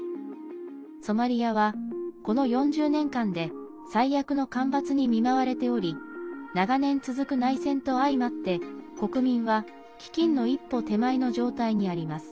ソマリアは、この４０年間で最悪の干ばつに見舞われており長年続く内戦と相まって国民は、飢きんの一歩手前の状態にあります。